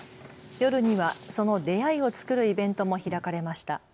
夜にはその出会いを作るイベントも開かれました。